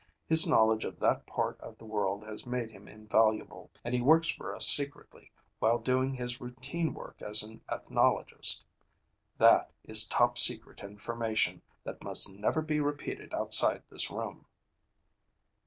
His knowledge of that part of the world has made him invaluable, and he works for us secretly while doing his routine work as an ethnologist. That is top secret information that must never be repeated outside this room."